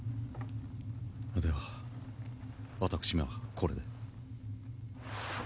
では私めはこれで。